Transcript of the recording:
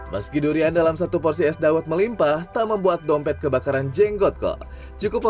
meski durian dalam satu porsi es dawet melimpah tak membuat dompet kebakaran jenggot kok